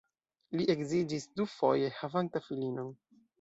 Li edziĝis dufoje, havanta filinon.